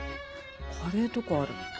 カレーとかある。